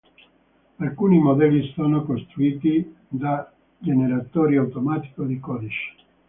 Alcuni modelli sono costruiti da generatori automatico di codice.